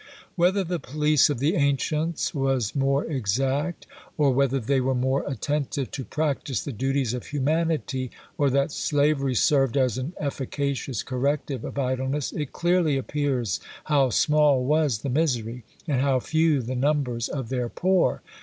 Whether the police of the ancients was more exact, or whether they were more attentive to practise the duties of humanity, or that slavery served as an efficacious corrective of idleness; it clearly appears how small was the misery, and how few the numbers of their poor.